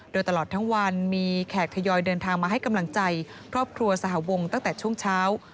โดยตลอดทั้งวันมีแขกทยอยเดินทางมาให้กำลังใจครอบครัวสหวงตั้งแต่ช่วงเช้า